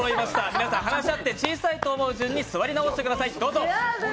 皆さん、話し合って小さいと思う順に座り直してください。